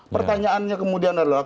pertanyaannya kemudian adalah